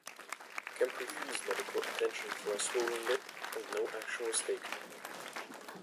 Kemp refused medical attention for a swollen lip and no action was taken.